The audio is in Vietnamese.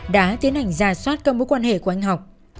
đã tiến hành ra soát các mối quan hệ của anh học